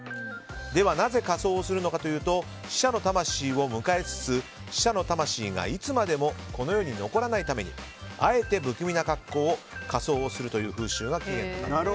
では、なぜ仮装をするかというと死者の魂を迎えつつ死者の魂がいつまでもこの世に残らないためにあえて不気味な仮装をするという風習が起源だそうです。